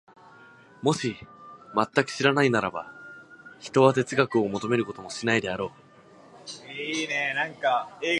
もし全く知らないならば、ひとは哲学を求めることもしないであろう。